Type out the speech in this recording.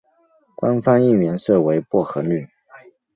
官方应援色为薄荷绿。